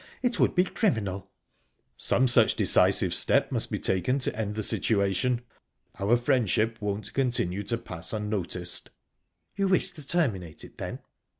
It would be criminal." "Some such decisive step must be taken to end the situation. Our friendship won't continue to pass unnoticed." "You wish to terminate it, then?"